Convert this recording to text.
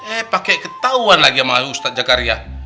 eh pake ketauan lagi sama ustadz jakaria